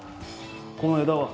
この枝は？